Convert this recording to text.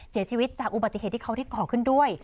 เสียชีวิตจากอุบัติเหตุที่เขาที่ก่อขึ้นด้วย